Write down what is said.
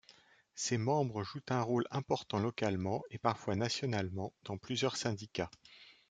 Ses membres jouent un rôle important localement, et parfois nationalement, dans plusieurs syndicats.